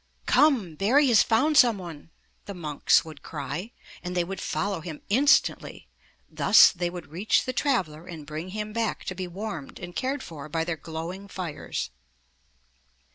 Come! Barry has found some one," the monks would cry, and they would follow him instantly. Thus they would reach the traveler and bring him back to be warmed and cared for by their glowing fires.